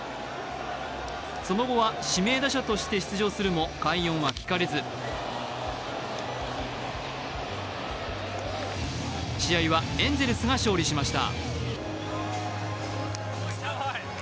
その後は指名打者として出場するも、快音は聞かれず試合はエンゼルスが勝利しました。